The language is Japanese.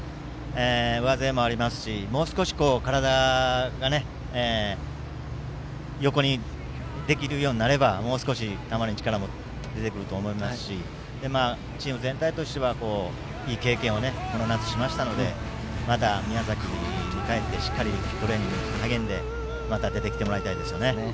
上背もありますし、もう少し体が横にできるようになればもう少し球に力も出てくると思いますしチーム全体としてはいい経験をこの夏、しましたのでまた宮崎に帰って、しっかりトレーニングを積み上げてまた出てきてもらいたいですね。